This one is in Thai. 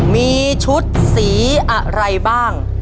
มีชุดสีอะไรบ้าง